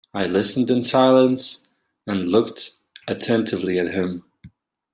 I listened in silence and looked attentively at him.